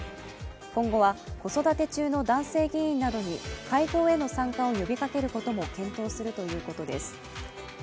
今後は子育て中の男性議員などに会合への参加を呼びかけることも検討するということです。